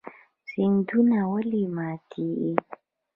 سیندونه ولې ماتیږي؟